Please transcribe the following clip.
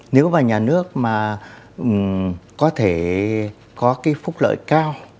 nếu mà nhà nước mà có thể có cái phúc lợi cao